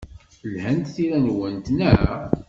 Lhant tira-nwent, naɣ?